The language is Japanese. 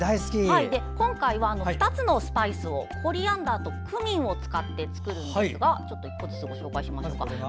今回は２つのスパイスをコリアンダーとクミンを使って作るんですが１個ずつご紹介します。